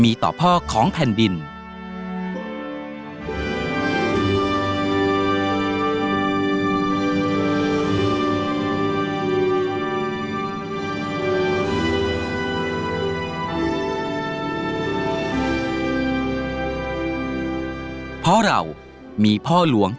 แต่ตอนเด็กก็รู้ว่าคนนี้คือพระเจ้าอยู่บัวของเรา